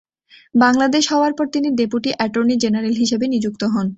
বাংলাদেশ হওয়ার পর তিনি ডেপুটি অ্যাটর্নি জেনারেল হিসেবে নিযুক্ত হন।